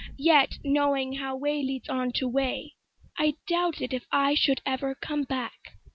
Yet knowing how way leads on to way,I doubted if I should ever come back.